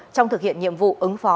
trong thực hiện nhiệm vụ ứng phó